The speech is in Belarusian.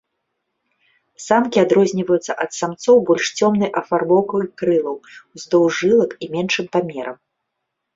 Самкі адрозніваюцца ад самцоў больш цёмнай афарбоўкай крылаў ўздоўж жылак і меншым памерам.